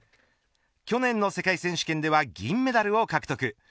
去年の世界選手権では銀メダルを獲得。